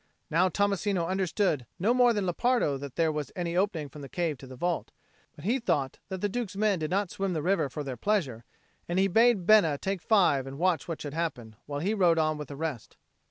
Now Tommasino understood no more than Lepardo that there was any opening from the cave to the vault, but he thought that the Duke's men did not swim the river for their pleasure, and he bade Bena take five and watch what should happen, while he rode on with the rest.